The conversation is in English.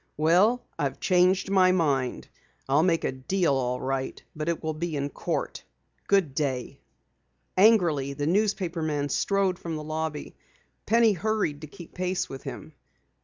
"Well, I've changed my mind. I'll make a deal all right, but it will be in court. Good day!" Angrily, the newspaper man strode from the lobby. Penny hurried to keep pace with him.